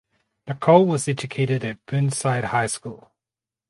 Nicole was educated at Burnside High School.